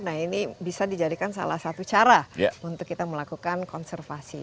nah ini bisa dijadikan salah satu cara untuk kita melakukan konservasi